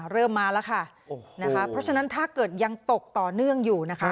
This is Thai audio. เริ่มมาละค่ะโอโหเพราะฉะนั้นถ้าเกิดยังตกต่อเนื่องอยู่